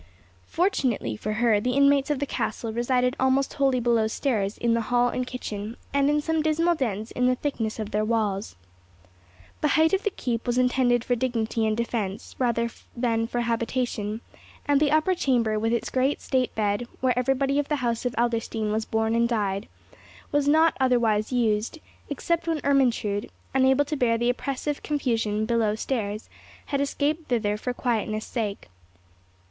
Fortunately for her, the inmates of the castle resided almost wholly below stairs in the hall and kitchen, and in some dismal dens in the thickness of their walls. The height of the keep was intended for dignity and defence, rather than for habitation; and the upper chamber, with its great state bed, where everybody of the house of Adlerstein was born and died, was not otherwise used, except when Ermentrude, unable to bear the oppressive confusion below stairs, had escaped thither for quietness' sake.